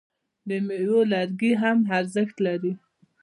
د میوو لرګي هم ارزښت لري.